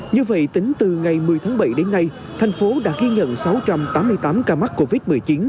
như vậy tính từ ngày một mươi tháng bảy đến nay thành phố đã ghi nhận sáu trăm tám mươi tám ca mắc covid một mươi chín